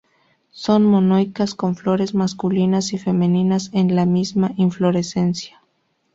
Son monoicas, con flores masculinas y femeninas en la misma inflorescencia.